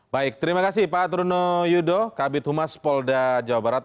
baik terima kasih pak truno yudo kabit humas polda jawa barat